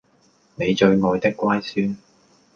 你最愛的乖孫